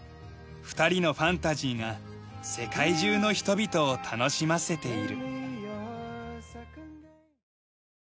２人のファンタジーが世界中の人々を楽しませている。